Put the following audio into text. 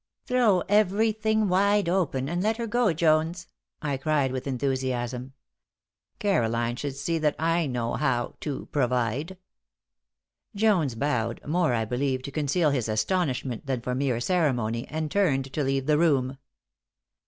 "Throw everything wide open, and let 'er go, Jones," I cried, with enthusiasm. Caroline should see that I know how "to provide." Jones bowed, more, I believe, to conceal his astonishment than for mere ceremony, and turned to leave the room.